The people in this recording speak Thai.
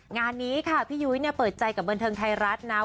งานนี้ค่ะพี่ยุ้ยเนี่ยเปิดใจกับบนเทิงไทรัศน์นะ